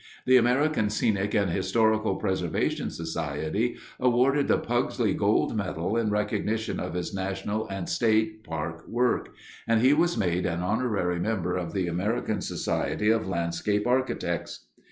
The American Scenic and Historical Preservation Society awarded the Pugsley gold medal in recognition of his national and state park work, and he was made an honorary member of the American Society of Landscape Architects.